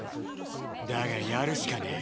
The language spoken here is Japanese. だがやるしかねぇ。